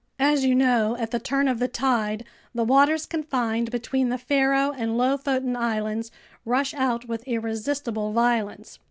As you know, at the turn of the tide, the waters confined between the Faroe and Lofoten Islands rush out with irresistible violence.